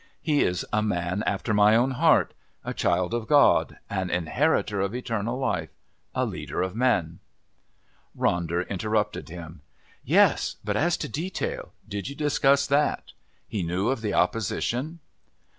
He is a man after my own heart a child of God, an inheritor of Eternal Life, a leader of men " Ronder interrupted him. "Yes, but as to detail. Did you discuss that? He knew of the opposition?"